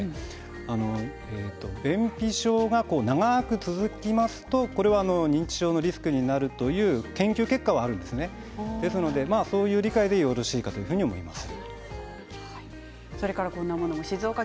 便秘が長く続きますと認知症にもリスクがあるという研究結果がありますしそういう理解でよろしいと思います。